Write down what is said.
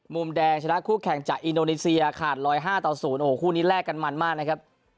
มุมแดงชนะคู่แข่งจากอินโดนีเซียขาด๑๐๕ต่อ๐โอ้โหคู่นี้แลกกันมันมากนะครับ